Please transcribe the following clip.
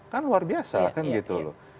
kan luar biasa kan gitu loh